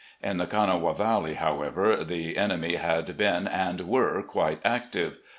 In the Kanawha Valley, however, the enemy had been and were quite active.